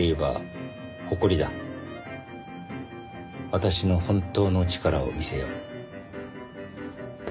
私の本当の力を見せよう。